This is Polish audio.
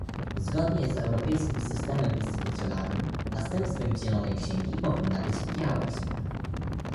Zgodnie z europejskim systemem instytucjonalnym, następstwem zielonej księgi powinna być biała księga